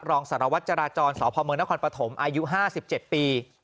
รองสารวัตรจราจรสพมนครปฐมอายุ๕๗ปี